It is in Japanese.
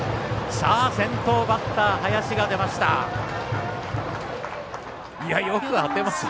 先頭バッター、林が出ました。